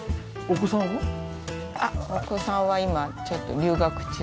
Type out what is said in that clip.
お子さんは今ちょっと留学中です。